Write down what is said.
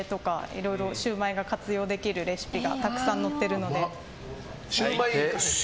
いろいろシウマイが活用できるレシピがたくさん載ってるので。